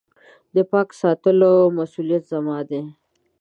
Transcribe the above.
د پاک ساتلو مسولیت زما دی .